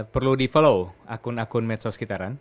perlu di follow akun akun medsos kitaran